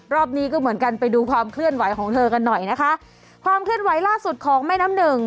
รอบนี้ก็เหมือนกันไปดูความเคลื่อนไหวของเธอกันหน่อยนะคะความเคลื่อนไหวล่าสุดของแม่น้ำหนึ่ง